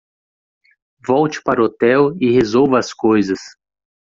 Volte para o hotel e resolva as coisas